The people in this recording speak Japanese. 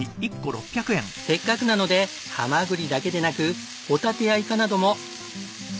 せっかくなのでハマグリだけでなくほたてやイカなども。